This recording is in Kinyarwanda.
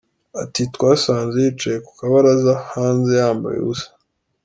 Ati : "Twasanze yicaye ku kabaraza hanze yambaye ubusa.